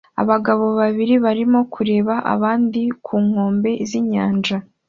Abagabo babiri barimo kureba abandi ku nkombe z'inyanja